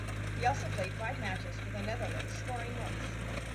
He also played five matches for the Netherlands, scoring once.